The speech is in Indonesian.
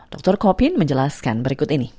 dr kopin menjelaskan berikut ini